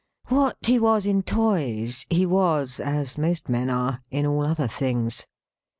What he was in toys, he was (as most men are) in all other things.